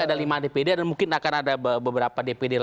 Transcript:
ada lima dpd dan mungkin akan ada beberapa dpd